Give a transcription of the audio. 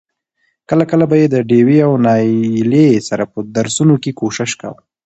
کله کله به يې د ډېوې او نايلې سره په درسونو کې کوشش کاوه.